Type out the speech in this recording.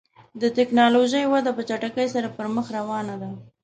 د ټکنالوژۍ وده په چټکۍ سره پر مخ روانه ده.